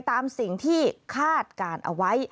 ตามสิ่งที่คาดการไว้